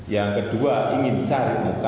yang kedua ingin cari muka